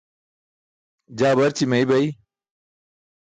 Jaa barći meybay.